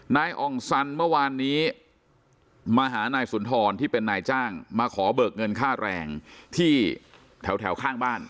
อ่องสันเมื่อวานนี้มาหานายสุนทรที่เป็นนายจ้างมาขอเบิกเงินค่าแรงที่แถวข้างบ้าน